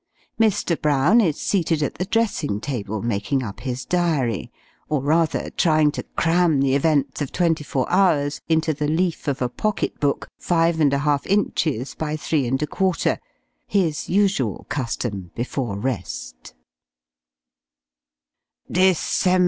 Mr. Brown is seated at the dressing table, making up his Diary, or rather trying to cram the events of twenty four hours into the leaf of a pocket book, five and a half inches by three and a quarter his usual custom before rest: [Illustration: THE WAITS.